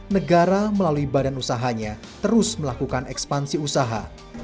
negara melalui badan usahanya terus melakukan ekspansi usaha